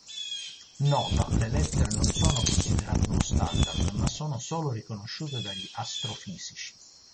Nota, le lettere non sono considerate uno standard, ma sono solo riconosciute dagli astrofisici.